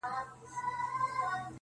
پهلوان د ترانو د لر او بر دی-